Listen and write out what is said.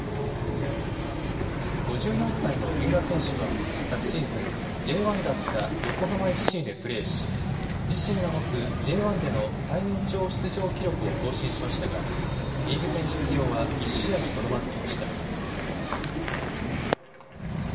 ５４歳の三浦選手は昨シーズン、Ｊ１だった横浜ＦＣでプレーし自身が持つＪ１での最年長出場記録を更新しましたがリーグ戦出場は１試合にとどまっていました。